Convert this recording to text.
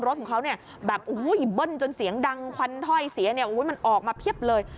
รถของเขาแบบเบิ้ลจนเสียงดังควันถอยเสียมันออกมาเพียบเลย